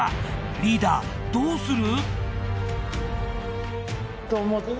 リーダーどうする？